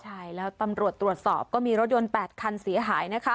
ใช่แล้วตำรวจตรวจสอบก็มีรถยนต์๘คันเสียหายนะคะ